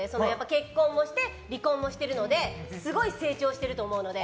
結婚もして、離婚もしてるのですごい成長していると思うので。